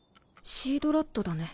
シードラットだね